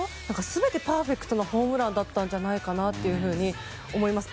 全てパーフェクトなホームランだったんじゃないかと思います。